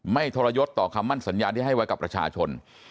ทรยศต่อคำมั่นสัญญาที่ให้ไว้กับประชาชน